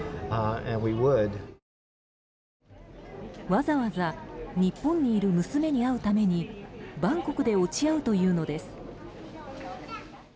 わざわざ日本にいる娘に会うためにバンコクで落ち合うというのです。